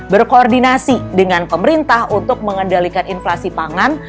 berkoordinasi dengan pemerintah untuk mengendalikan inflasi pangan